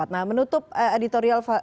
nah menutup editorial